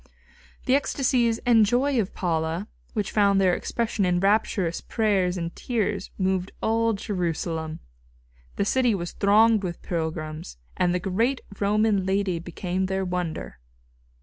The ecstasies and joy of Paula, which found their expression in rapturous prayers and tears, moved all Jerusalem. The city was thronged with pilgrims, and the great Roman lady became their wonder.